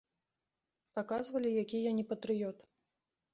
Паказвалі, які я не патрыёт.